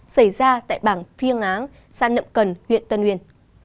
xảy ra tại bảng phiêng áng san nậm cần huyện tân nguyên